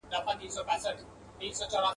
شیخه زما یې ژبه حق ویلو ته تراشلې ده ..